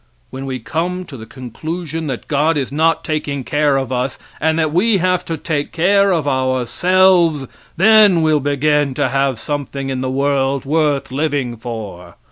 When we come to the conclusion that God is not taking care of us and that we have to take care of ourselves, then we'll begin to have something in the world worth living for.